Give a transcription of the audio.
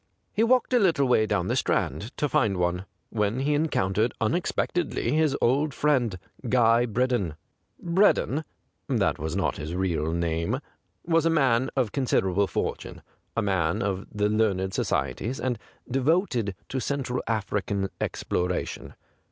He walked a little way down the Strand to find one, when he encountered unex pectedly his old friend, Guy Bred don. Breddon (that was not his real name) was a man of considerable fortune, a member of the learned societies, and devoted to Central African exploration.